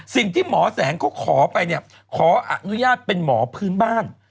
สิ่งที่หมอแสงเขาขอไปเนี่ยขออนุญาตเป็นหมอพื้นบ้าน